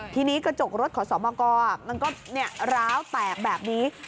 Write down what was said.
ทีนี้กระจกรถขอสมกมันก็ร้าวแตกแบบนี้